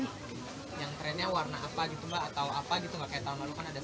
yang trendnya warna apa gitu mbak atau apa gitu gak kayak tahun lalu kan ada slagin gitu